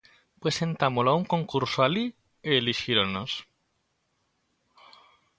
Presentámolo a un concurso alí e elixíronnos.